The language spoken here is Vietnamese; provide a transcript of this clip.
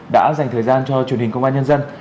đã dành thời gian cho truyền hình công an nhân dân